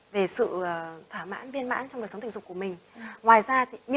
về sự thỏa mãn viên mãn trong đời sống tình dục của mình